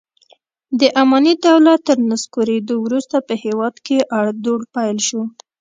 د اماني دولت تر نسکورېدو وروسته په هېواد کې اړو دوړ پیل شو.